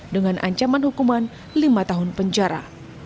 dengan ancaman hukuman lima tahun penjara